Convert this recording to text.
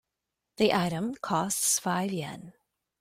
The item costs five Yen.